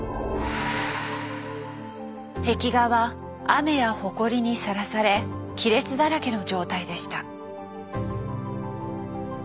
壁画は雨やほこりにさらされ亀裂だらけの状態でした。